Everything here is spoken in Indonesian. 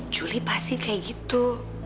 juli pasti kayak gitu